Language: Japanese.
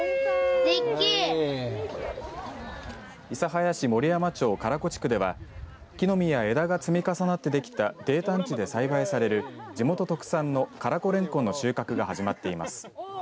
諫早市森山町唐比地区では木の実や枝が積み重なってできた泥炭地で栽培される地元特産の唐比れんこんの収穫が始まっています。